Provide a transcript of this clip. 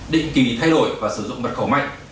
định kỳ thay đổi và sử dụng mật khẩu mạnh